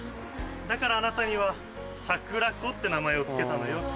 だからあなたにはサクラコって名前を付けたのよ。